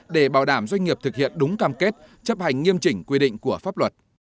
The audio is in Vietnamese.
để bảo đảm doanh nghiệp thực hiện đúng cam kết chấp hành nghiêm chỉnh quy định của pháp luật